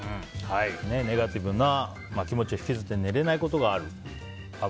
ネガティブな気持ちを引きずって寝れないことがある。